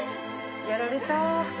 やられた。